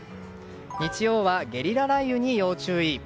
日曜日はゲリラ雷雨に要注意。